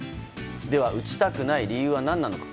では、打ちたくない理由は何なのか。